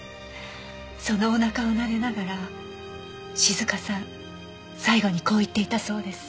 そのお腹をなでながら静香さん最後にこう言っていたそうです。